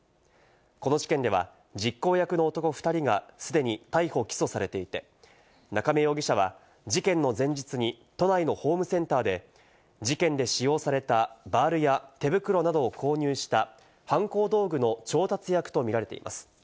この事件では、実行役の男２人が既に逮捕・起訴されていて、中明容疑者は事件の前日に都内のホームセンターで事件で使用されたバールや手袋などを購入した、犯行道具の調達役と見られています。